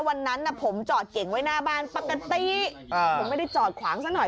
วันนั้นผมจอดเก่งไว้หน้าบ้านปกติผมไม่ได้จอดขวางซะหน่อย